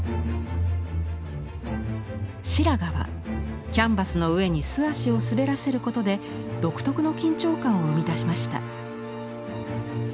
白髪はキャンバスの上に素足を滑らせることで独特の緊張感を生み出しました。